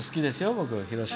僕、広島。